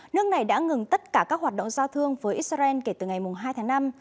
nước này đã ngừng tất cả các hoạt động giao thương với israel kể từ ngày hai tháng năm